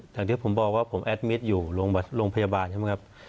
อย่างที่ผมบอกว่าผมแอดมิตรอยู่โรงพยาบาลใช่ไหมครับ